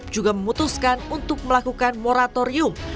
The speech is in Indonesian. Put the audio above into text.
juga memutuskan untuk melakukan moratorium